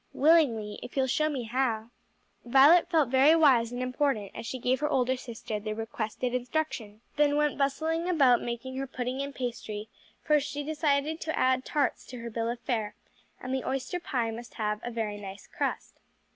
"Willingly, if you'll show me how." Violet felt very wise and important as she gave her older sister the requested instruction, then went bustling about making her pudding and pastry: for she decided to add tarts to her bill of fare, and the oyster pie must have a very nice crust.